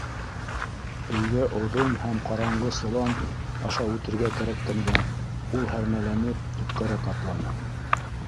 Өйгә оҙон һәм ҡараңғы солан аша үтергә кәрәккәнгә, ул, һәрмәләнеп, төпкәрәк атланы.